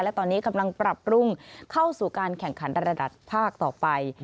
และตอนนี้กำลังปรับปรุงเข้าสู่การแข่งขันระดับภาคต่อไป